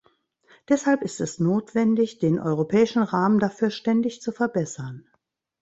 Deshalb ist es notwendig, den europäischen Rahmen dafür ständig zu verbessern.